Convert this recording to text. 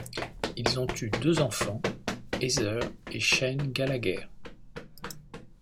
Ils ont eu deux enfants, Heather et Shane Gallagher.